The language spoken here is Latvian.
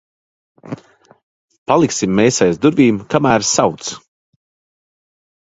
Paliksim mēs aiz durvīm, kamēr sauc.